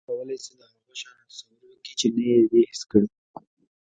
انسان کولی شي، د هغو شیانو تصور وکړي، چې نه یې دي حس کړي.